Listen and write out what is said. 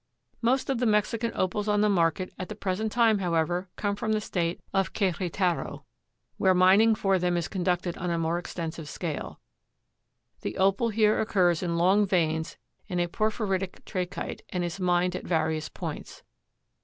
Most of the Mexican Opals on the market at the present time, however, come from the State of Queretaro, where mining for them is conducted on a more extensive scale. The Opal here occurs in long veins in a porphyritic trachyte, and is mined at various points.